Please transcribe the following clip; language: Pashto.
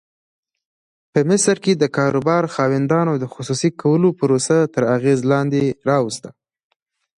په مصر کې د کاروبار خاوندانو د خصوصي کولو پروسه تر اغېز لاندې راوسته.